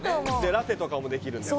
ラテとかもできるんですよ